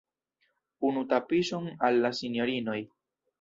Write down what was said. Unu tapiŝon al la sinjorinoj!